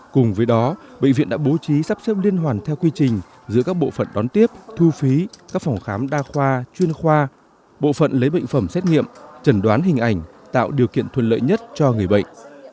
cùng với đó bệnh viện đã bố trí sắp xếp liên hoàn theo quy trình giữa các bộ phận đón tiếp thu phí các phòng khám đa khoa chuyên khoa bộ phận lấy bệnh phẩm xét nghiệm chẩn đoán hình ảnh tạo điều kiện thuận lợi nhất cho người bệnh